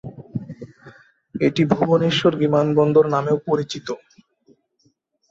এটি ভুবনেশ্বর বিমানবন্দর নামেও পরিচিত।